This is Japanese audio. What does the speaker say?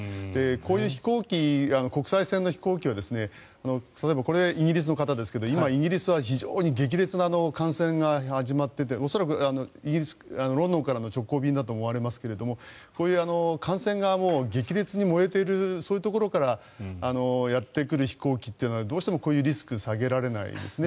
こういう国際線の飛行機は例えばこれはイギリスの方ですが今、イギリスは非常に激烈な感染が始まってて恐らくイギリス・ロンドンからの直行便だと思われますがこういう感染が激烈に燃えているところからやってくる飛行機はどうしてもこういうリスクは下げられないですね。